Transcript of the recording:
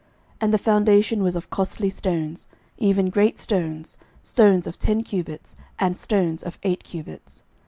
11:007:010 And the foundation was of costly stones, even great stones, stones of ten cubits, and stones of eight cubits.